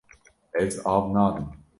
Ez av nadim.